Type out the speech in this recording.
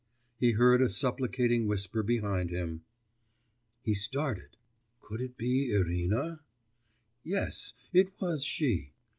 he heard a supplicating whisper behind him. He started.... Could it be Irina? Yes; it was she.